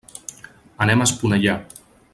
Anem a Esponellà.